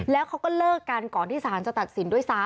แล้วเขาก็เลิกกันก่อนที่ศาลจะตัดสินด้วยซ้ำ